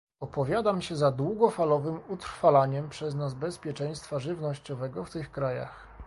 Opowiadam się za długofalowym utrwalaniem przez nas bezpieczeństwa żywnościowego w tych krajach